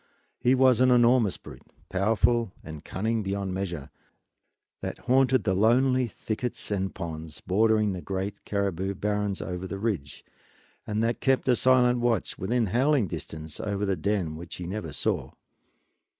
He was an enormous brute, powerful and cunning beyond measure, that haunted the lonely thickets and ponds bordering the great caribou barrens over the ridge, and that kept a silent watch, within howling distance, over the den which he never saw.